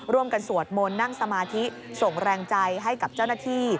สวดมนต์นั่งสมาธิส่งแรงใจให้กับเจ้าหน้าที่